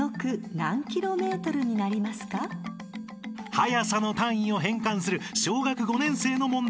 ［速さの単位を変換する小学５年生の問題］